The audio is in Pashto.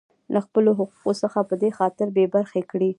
لـه خـپـلو حـقـونـو څـخـه پـه دې خاطـر بـې بـرخـې کـړي.